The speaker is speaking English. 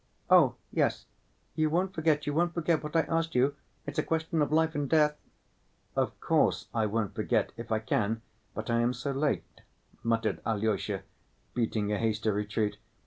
"Oh, yes. You won't forget, you won't forget what I asked you? It's a question of life and death!" "Of course, I won't forget, if I can ... but I am so late," muttered Alyosha, beating a hasty retreat.